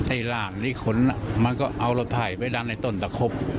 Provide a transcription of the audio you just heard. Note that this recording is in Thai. ไอ้หลานไอ้คนน่ะมันก็เอารถไถไปดันไอ้ตนตะครบ